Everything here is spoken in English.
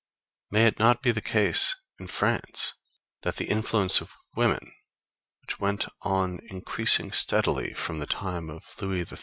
May it not be the case in France that the influence of women, which went on increasing steadily from the time of Louis XIII.